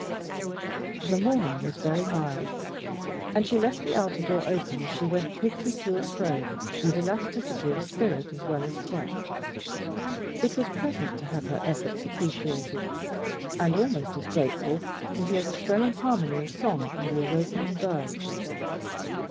The morning was very mild, and she left the outer door open as she went quickly to and fro with elasticity of spirit as well as step. It was pleasant to have her efforts appreciated and almost as grateful to hear the swelling harmony of song from the awakening birds.